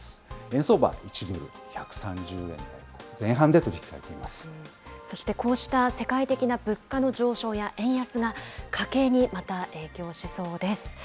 円相場、１ドル１３０円台前半でそしてこうした世界的な物価の上昇や円安が、家計にまた影響しそうです。